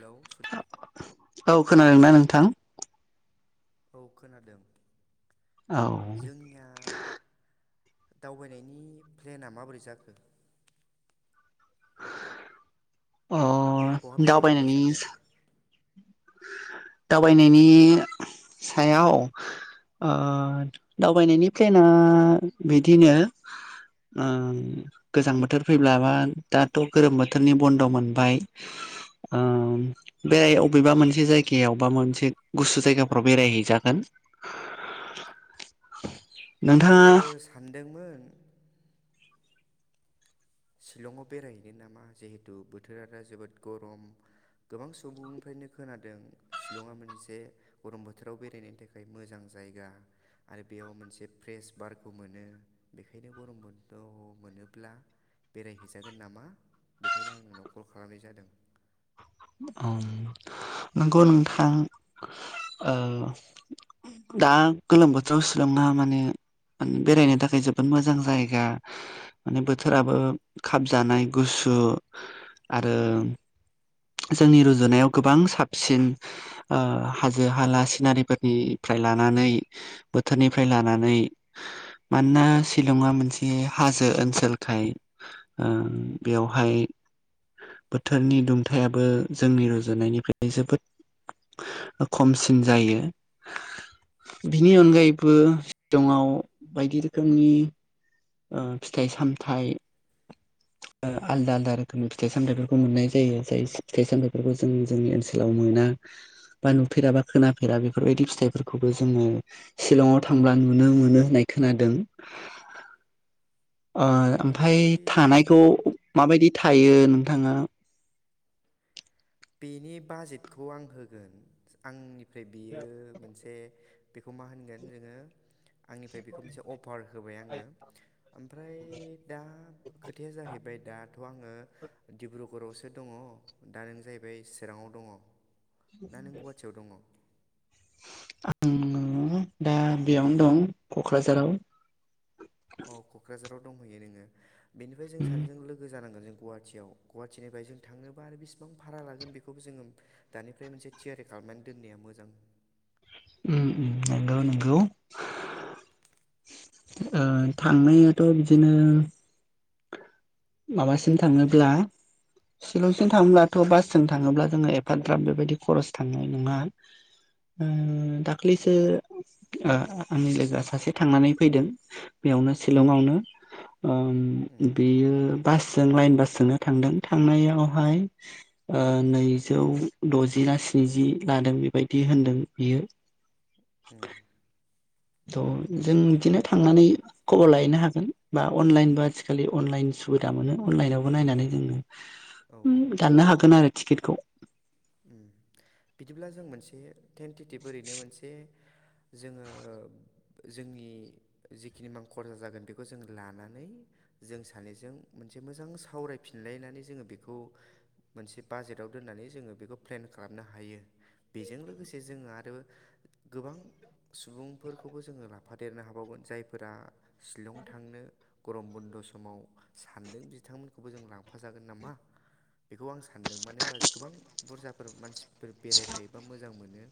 Hello औ खोनादोंना नोंथां? औ खोनादों औ जोंनिया दावबायनायनि प्लेना माबोरै जाखो? अ बहा बेरायहैनो दावबायनायनि सानदों दावबायनायनि सायाव दावबायनायनि प्लेनआ बिदिनो आम गोजां बोथोर फैब्ला बा दाथ' गोरोम बोथोरनि बन्द' मोनबाय। आम बेराय अ बबेबा मोनसे जायगायाव बा मोनसे गुसु जायगाफ्राव बेरायहैजागोन। [inaudible] नोंथाङा आंबो सानदोंमोन शिलंआव बेरायहैनो नामा जिहेतु बोथोरा दा जोबोद गरम गोबां सुबुंनिफ्रायनो खोनादों शिलंआ मोनसे गरम बोथोराव बेरायनायनि थाखाय मोजां जायगा आरो बेयाव मोनसे फ्रेश बारखौ मोनो बेखायनो गरम बनथ' मोनोब्ला बेरायहैजागोन नामा बेखायनो आं नोंनाव कल खालामनाय जादों। नंगौ नोंथां ओ दा गोलोम बोथोराव सिलंया माने बेरायनो थाखाय जोबोद मोजां जायगा। माने बोथोराबो खाबजानाय गुसु आरो जोंनि रुजुनायाव गोबां साबसिन। ओ हाजो हाला सिनारिफोरनिफ्राय लानानै बोथोरनिफ्राय लानानै मानोना शिलंआ मोनसे हाजो ओनसोलखाय ओ बेवहाय बोथोरनि दुं थायाबो जोंनि रुजुनायनिफ्राय जोबोद खमसिन जायो। बिनि अनगायैबो सिलंआव बायदि रोखोमनि ओ फिथाइ सामथाइ आलदा आलदा रोखोमनि फिथाइ सामथाइफोरखौ मोननाय जायो जाय फिथाइ सामथाइफोरखौ जों जोंनि ओनसोलाव मोना। बा नुफेरा बा खोनाफेरा बेफोरबायदि फिथाइफोरखौबो जोङो शिलंआव थांब्ला नुनो मोनो होननाय खोनादों। ओ ओमफाय ओमफ्राय थानायखौ माबायदि थायो नोंथाङा? बेनि बाजेटखौ आं होगोन आंनिफ्राय बेयो मोनसे बेखौ मा होनगोन जोङो? आंनिफ्राय बेखौ मोनसे अफार होबाय आङो। ओमफ्राय दा खोथाया जाहैबाय दाथ' आङो डिब्रुगरआवसो दङ दा नों जाय बै चिराङाव दङ दा नों गुवाहाटियाव दङ। अ आंङो दा बेयावनो दं क'क्राझाराव। अ क'क्राझाराव दंहैयो नोङो बेनिफ्राय जों उम सानैजों लोगो जानांगोन जों गुवाहा गुवाहाटि गवाहाटिनिफ्राय जों थांनोबा आरो बेसिबां भारा लागोन बेखौबो जोङो दानिफ्राय मोनसे थियारि खालामनानै दोननाया मोजां। उम नंगौ नंगौ। ओ थांनायाथ' बिदिनो माबासिम थाङोब्ला शिलंजों थाङब्लाथ' बासजों थाङोब्ला जोङो एफाद्राब बेबायदि खरस थांनाय नङा। उम दाख्लैसो ओ आंनि लोगोआ सासे थांनानै फैदों बेयावनो शिलंआवनो। उम ओम बेयो बासजों लाइन बासजोंनो थांदों थांनायावहाय ओ नैजौ द'जि ना स्निजि लादों बेबायदि होनदों बियो। उम। थ' जों बिदिनो थांनानै खबर लायैनो हागोन बा अनलाइनबो आथिखालि अनलाइन सुबिदा मोनो अनलाइनावबो नायनानै जोङो औ औ दाननो हागोन आरो टिकेटखौ। उम। बिदिब्ला जों मोनसे थेेनटिटिभ ओरैनो मोनसे जोङो ओ जोंनि जिखिनि मां खरसा जागोन बेखौ जों लानानै जों सानैजों मोनसे मोजां सावरायफिनलायनानै जोङो बेखौ मोनसे बाजेटाव दोननानै जोङो बेखौ प्लेन खालाम नो हायो बेजों लोगोसे जोंङो आरो गोबां सुबुंफोरखौबो जोङो लाफादेरनो हाबावगोन जायफोरा शिलं थांनो गरम बन्द' समाव सानदों बिथांमोनखौबो जों लांफाजागोन नामा? बेखौ आं सानदों मानो होनबा गोबां बुरजाफोर मानसिफोर बेरायफायोबा मोजां मोनो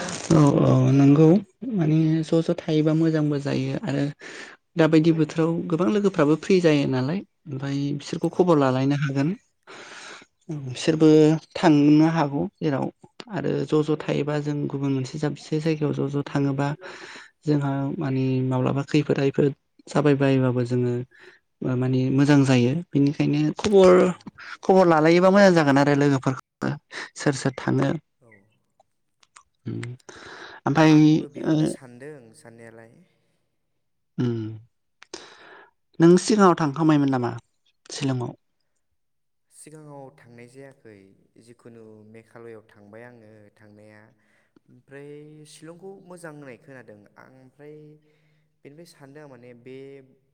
औ औ नोंगौ माने ज' ज' थायोबा मोजांबो जायो आरो दााबायदि बोथोराव गोबां लोगोफ्राबो फ्रि जायो नालाय ओमफाय बिसोरखौ औ खबर लालायनो हागोन औ बिसोरबो थांनो हागौ जेराव आरो ज' ज' थायोबा जों गुबुन मोनसे जाबसे जायगायाव ज' ज' थाङोबा जोंहा मानि माब्लाबा खैफोद आफोद जाबाय बायोबाबो जोङो मानि मोजां जायो बेनिखायनो औ खबर खबर लालायोबा मोजां जागोन आरो लोगोफोरखौ सोर सोर थांङो। औ। उम। आंबो बेखौनो सान्दों साननायालाय। ओम नों सिगाङाव थांखांबायमोन नामा सिलंआव? सिगाङाव थांनाय जायाखै जिखुनु मेघालआव थांबाय आङो थांनाया। ओमफ्राय शिलंखौ मोजां होननाय खोनादों आं ओमफ्राय बेनिफ्राय सानदों आं माने बे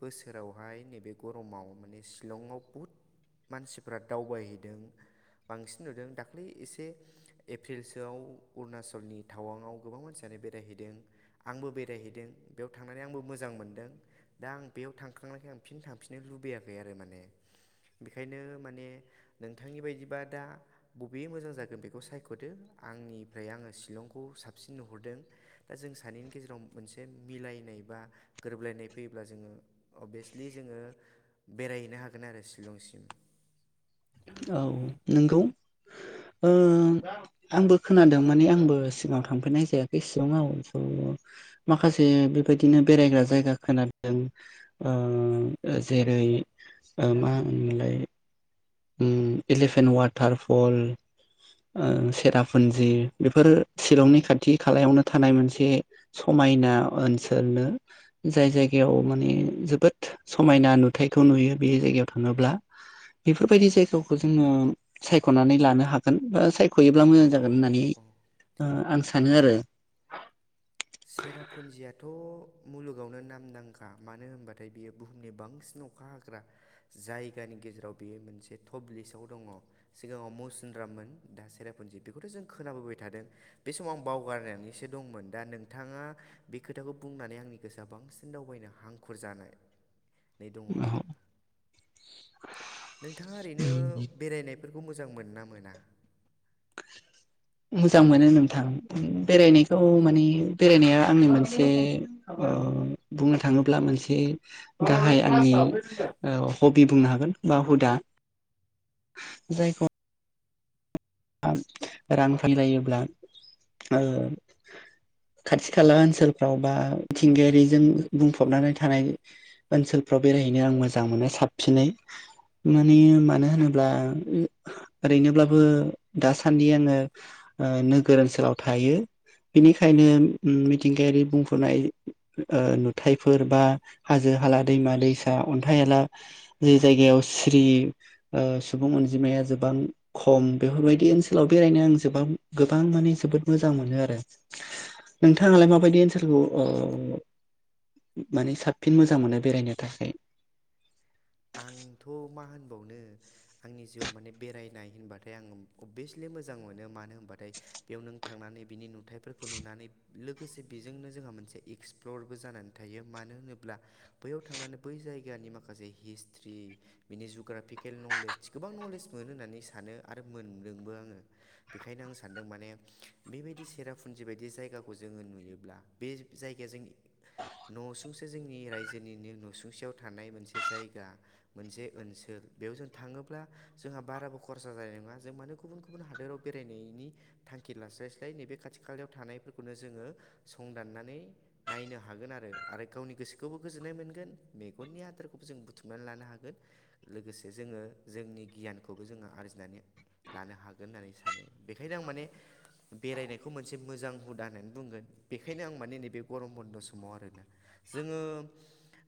बोसोरावहाय नैबे गरमाव माने शिलङाव बहुत। मानसिफ्रा दावबायहैदों बांसिन नुदों दाखाै एसे एप्रिलसोआव अरुणाचलनि टावांआव गोबां मानसियानो बेरायहैदों। आंबो बेरायहैदों बेयाव थांनानै आंबो मोजां मोनदों दा आं बेयाव थांखांनायखाय आं फिन थांफिननो लुबैयाखै आरो माने बेखायनो माने नोंथांनि बायदिबा दा बबे मोजां जागोन बेखौ सायख'दो आंनिफ्राय आङो शिलंखौ साबसिन नुहरदों दा जों सानैनि गेजेराव मोनसे मिलायनाय बा गोरोबलायनाय फैयोब्ला जोङो अभियासलि जोङो बेरायहैनो हागोन आरो शिलंसिम औ नोंगौ ओ आंबो खोनादों माने आंबो सिगाङाव थांफेदनाय जायाखै सिलङाव स' माखासे बेबायदिनो बेरायग्रा जायगा खोनादों ओ ओ जेरै ओ मा होनो मोनलाय ओम एलिफेन्ट वाटारफल ओ औ सेरापुन्जि बेफोरो शिलंनि औ खाथि खालायावनो थानाय मोनसे समायना ओनसोलनो जाय जायगायाव माने जोबोद समायना नुथायखौ नुयो बे जायगायाव थाङोब्ला बेफोरबायदि जायगाखौ जोङो सायख'नानै लानो हागोन बा फैयोब्ला मोजां औ जागोन होननानै औ औ ओ आं सानो आरो सेरापुन्जियाथ' मुलुगावनो नामदांखा मानो होनबाथाय बियो बुहुमनि बांसिन अखा हाग्रा जायगानि गेजेराव बेयो मोनसे टप लिसआव दङ। सिगाङाव मौसिन्द्राममोन दा सेरापुन्जि बेखौथ' जों खोनाबोबाय थादों बे समाव आं बावगारनानै सेदंमोन दा नों नोंथाङा बे खोथाखौ बुंनानै आंनि गोसोआ बांसिन दावबायनो हांखुर जानाय नै दङ दा। नोंथाङा ओरैनो बेरायनायफोरखौ मोजां मोनो ना मोना? मोजां मोनो नोंथां बेरायनायखौ माने बेरायनाया आंनि मोनसे ओ बुंनो थाङोब्ला मोनसे गाहाय आंनि ओ हबि बुंनो हागोन बा हुदा। जायखौ आं रां फोर जायोब्ला ओ खाथि खाला ओनसोलफ्राव बा मिथिंगायारि जों बुंफबनानै थानाय ओनसोलफ्राव बेरायहैनो आं मोजां मोनो साबसिनै माने मानो होनोब्ला ओम ओरैनोब्लाबो दासान्दि आङो ओ नोगोर ओनसोलाव थायो। बेनिखायनो उम मिथिंगायारि बुंफबनाय ओ नुथायफोर बा हाजो हाला दैमा दैसा अन्थाइ आला जे जायगायाव सिरि ओ सुबुं अनजिमाया जोबां खम बेफोरबायदि बे ओनसोलाव बेरायनो आं गोबां माने जोबोद मोजां मोनो आरो नोंथाङालाय माबायदि ओनसोलखौ ओ माने साबसिन मोजां मोनो बेरायनो थाखाय। आंथ' मा होनबावनो आंनि जिउआव माने बेरायनाय होनबाथाय आंङो अभियासलि मोजां मोनो मानो होनबाथाय बेयाव नों थांनानै बिनि नुथाइफोरखौ नुनानै लोगोसे बेजोंनो जोंहा मोनसे एक्सप्लरबो जानानै थायो मानो होनोब्ला बैयाव थांनानै बै जायगानि माखासे हिस्ट्रि बिनि जुग्राफिकेल नलेदज गोबां नलेज मोनो होननानै सानो आरो मोनदोंबो आङो। बेखायनो आं सानदों माने बेबायदि सेरापुन्जि बायदि जायगाखौ जोङो नुयोब्ला बे जायगाया जों न'सुंसे जोंनि रायजोनिनो न'सुंसेयाव थानाय मोनसे जाय गा मोनसे ओनसोल बेयाव जों थाङोब्ला जोंहा बाराबो खरसा जानाय नङा जों मानो गुबुन गुबुन गुबुन हादोराव बेरायनायनि थांखि लास्लायस्लाय नैबे खाथि खालायाव थानायफोरखौनो जोङो संदाननानै नायनो हागोन आरो आरो गावनि गोसोखौबो गोजोननाय मोनगोन मेगननि आदारखौबो जों बुथुम थुमनानै लानो हागोन लोगोसे जोङो जोंनि गियानखौबो जोङो आरजिनानै लानो हागोन होननानै सानो बेखायनो आं माने। बेरायनायखौ मोनसे मोजां हुदा होननानै बुंगोन। बेखायनो आं माने नैबे गरम बन्द' समाव आरोना जोंङो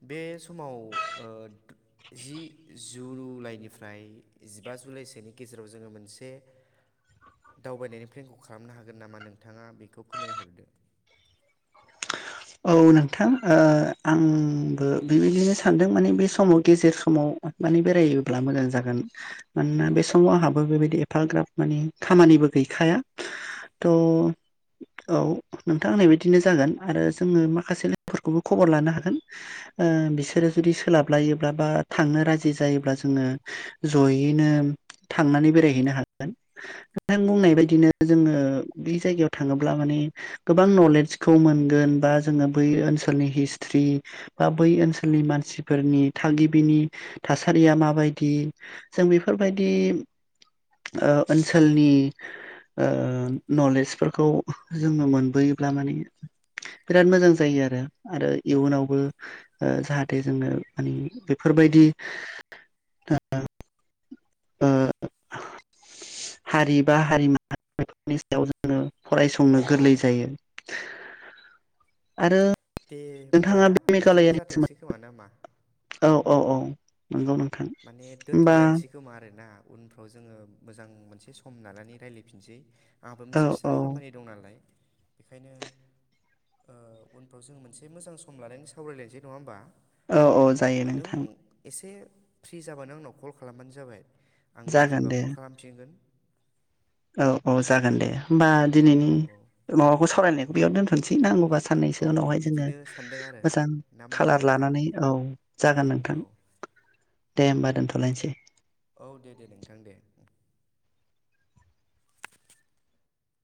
बे समाव ओ जि जुलाइनिफ्राय जिबा जुलाइसोनि गेजेराव जोंङो मोनसे दावबायनायनि प्लेनखौ खालामनो हागोन नामा नोंथांङा बेखौ फोरमायहरदो। औ नोंथां ओ आंबो बेबायदिनो सानदों माने बे समाव गेजेर समाव माने बेरायोब्ला मोजां जागोन मानोना बे समाव आंहाबो बेबायदि एफाग्राब माने खामानिबो गैखाया थ' औ नोंथां होननायबायदिनो जागोन आरो जोंङो माखासे लोगोफोरखौबो खबर लानो हागोन। ओ बिसोरो जुदि सोलाबलायोब्ला बा थांनो राजि जायोब्ला जोंङो जयैनो थांनानै बेरायहैनो हागोन। नोंथां बुंनाय बायदिनो जोंङो बे जायगायाव थाङोब्ला माने गोबां नलेजखौ मोनगोन बा जोंङो बै ओनसोलनि हिसथ्रि बा बै ओनसोलनि मानसिफोरनि थागिबिनि थासारिया माबायदि जों बेफोरबायदि ओनसोलनि ओ नलेजफोरखौ जोंङो मोनबोयोब्ला माने बिराद मोजां जायो आरो आरो इयुनावबो ओ जाहाथे जोंङो मानि बेफोरबायदि [unintelligible] हारि बा हारिमु बेफोरनि सायाव जोंङो फरायसंनो गोरलै जायो। आरो दे नोंथाङा होमबाना बे बिदिनो मेघालयानि जाथोंसै खोमा ना मा? औ औ औ नंगौ नोंथां माने होमबा दोनथ'लायनोसै खोमा आरोना उनफ्राव जोंङो मोजां मोनसे सम लानानै रायज्लायफिनसै आंहाबो औ मोनसे फिसा औ खामानि दं नालाय बेखायनो उनफ्राव जोंङो मोनसे मोजां सम लानानै सावरायलायसै नङा होमबा? औ औ जायो नों नोंथां एसे फ्रि जाबानो आंनाव कल खालामबानो जाबाय। आंबो जागोन दे फ्रिबा कल खालाफिनगोन। औ औ जागोन दे। होमबा दिनैनि औ माबाखौ सावरायनायखौ बेयाव दोनथ'नोसै नांगौबा साननैसो औ औ उनावहाय जोंङो बिदिनो सानदों आरो मोजां ना मा कालार होनो नोंथां लानानै औ जागोन नोंथां। औ दे होमबा दोनथ'लायनोसै। औ दे दे नोंथां दे।